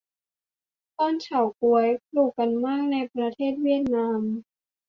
ต้นเฉาก๊วย ปลูกกันมากในประเทศเวียดนาม